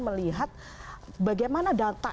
melihat bagaimana data